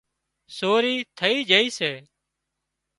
سوري ٿئي جھئي سي